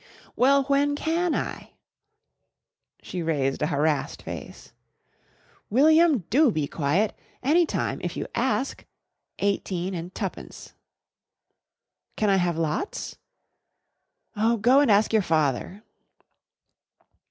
"Well, when can I?" She raised a harassed face. "William, do be quiet! Any time, if you ask. Eighteen and twopence." "Can I have lots?" "Oh, go and ask your father."